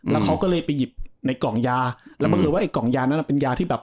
แล้วเขาก็เลยไปหยิบในกล่องยาแล้วบังเอิญว่าไอกล่องยานั้นเป็นยาที่แบบ